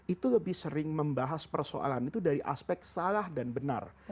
itu lebih sering membahas persoalan itu dari aspek salah dan benar